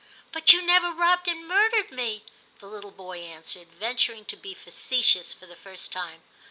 ' But you never robbed and murdered me,* the little boy answered, venturing to be facetious for the first time.